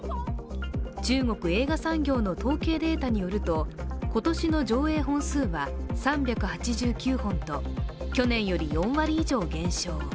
中国映画産業の統計データによると今年の上映本数は３８９本と、去年より４割以上減少。